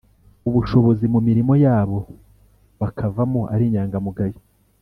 ubushobozi mu mirimo yabo bakavamo ari inyangamugayo